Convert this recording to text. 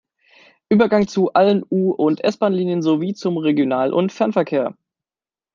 Übergang zu allen U- und S-Bahnlinien sowie zum Regional- und Fernverkehr.